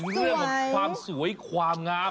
คิดถึงเรื่องของความสวยความงาม